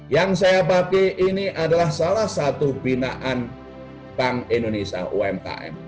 yang saya pakai ini adalah salah satu binaan bank indonesia umkm